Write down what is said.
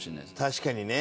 確かにね。